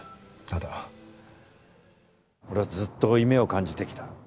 ただ俺はずっと負い目を感じてきた